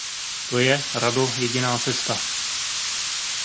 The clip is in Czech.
To je, Rado, jediná cesta.